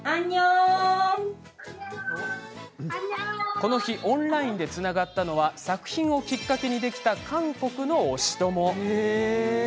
この日オンラインでつながったのは作品をきっかけにできた韓国の推し友。